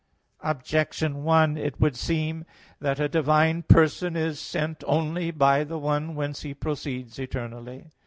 Objection 1: It would seem that a divine person is sent only by the one whence He proceeds eternally.